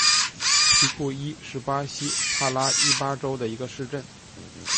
皮库伊是巴西帕拉伊巴州的一个市镇。